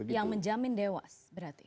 yang menjamin dewas berarti